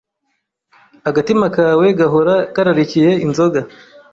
Agatima kawe gahora kararikiye inzoga,